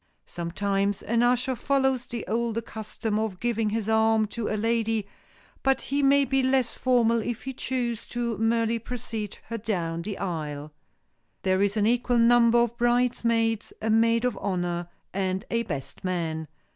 Sometimes an usher follows the older custom of giving his arm to a lady, but he may be less formal if he choose and merely precede her down the aisle. There is an equal number of bridesmaids, a maid of honor and a best man.